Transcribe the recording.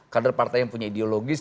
kader partai yang punya ideologis